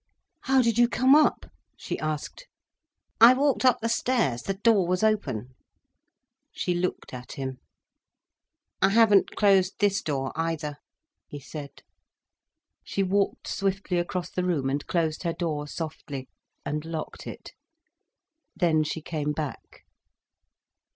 "How did you come up?" she asked. "I walked up the stairs—the door was open." She looked at him. "I haven't closed this door, either," he said. She walked swiftly across the room, and closed her door, softly, and locked it. Then she came back.